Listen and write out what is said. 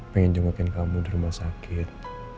pengen jumatin kamu di rumah sakit